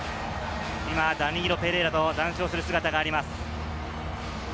ダニーロ・ペレイラと談笑する姿があります。